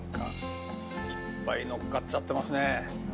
いっぱいのっかっちゃってますね。